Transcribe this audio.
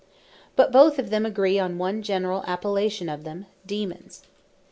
But Both of them agree on one generall appellation of them, DAEMONS.